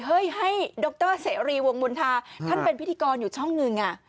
ให้ดรเสรีวงมณฑาท่านเป็นพิธีกรอยู่ช่องหนึ่งอ่ะ